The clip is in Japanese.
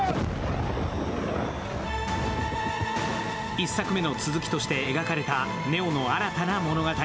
１作目の続きとして描かれたネオの新たな物語。